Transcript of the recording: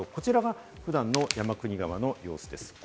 こちらが普段の山国川の様子です。